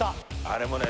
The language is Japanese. あれもね